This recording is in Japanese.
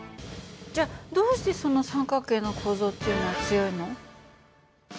じゃあどうしてその三角形の構造っていうのは強いの？